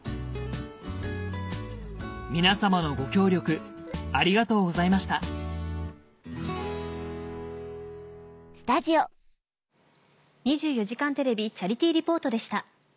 皆様のご協力ありがとうございました「２４時間テレビチャリティー・リポート」でした。